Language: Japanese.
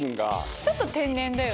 ちょっと天然だよね。